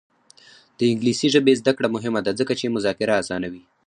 د انګلیسي ژبې زده کړه مهمه ده ځکه چې مذاکره اسانوي.